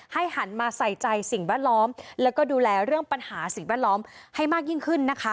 หันมาใส่ใจสิ่งแวดล้อมแล้วก็ดูแลเรื่องปัญหาสิ่งแวดล้อมให้มากยิ่งขึ้นนะคะ